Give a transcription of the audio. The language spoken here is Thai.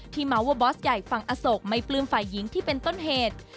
เมาส์ว่าบอสใหญ่ฟังอโศกไม่ปลื้มฝ่ายหญิงที่เป็นต้นเหตุ